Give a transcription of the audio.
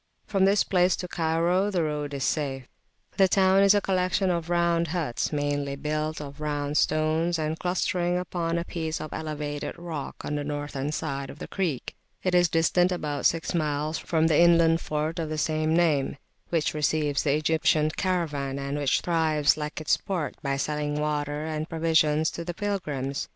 From this place to Cairo the road is safe. The town is a collection of round huts meanly built of round stones, and clustering upon a piece of elevated rock on the northern side of the creek. It is [p.215] distant about six miles from the inland fort of the same name, which receives the Egyptian caravan, and which thrives, like its port, by selling water and provisions to pilgrims.